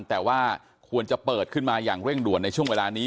แต่ว่าควรจะเปิดขึ้นมาอย่างเร่งด่วนในช่วงเวลานี้